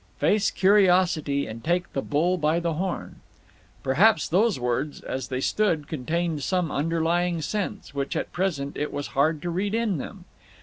"Face curiosity and take the bull by the horn." Perhaps those words, as they stood, contained some underlying sense, which at present it was hard to read in them.